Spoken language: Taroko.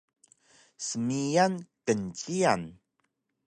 Smiyan knciyan